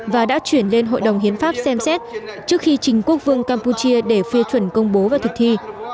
và đã chuyển lên hội đồng hiến pháp xem xét trước khi trình quốc vương campuchia để phê chuẩn công bố và thực thi